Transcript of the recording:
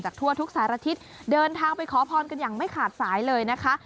ทั่วทุกสารทิศเดินทางไปขอพรกันอย่างไม่ขาดสายเลยนะคะ